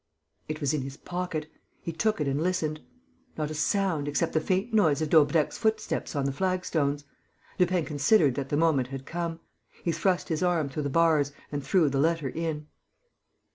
It was in his pocket. He took it and listened. Not a sound, except the faint noise of Daubrecq's footsteps on the flagstones. Lupin considered that the moment had come. He thrust his arm through the bars and threw the letter in.